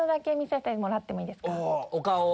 お顔を？